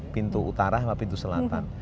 pintu utara sama pintu selatan